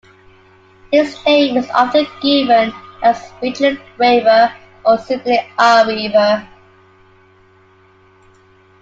His name is often given as Richard Wever or simply R. Wever.